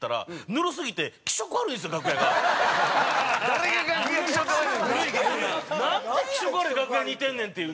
なんやねん！なんて気色悪い楽屋にいてんねんっていう。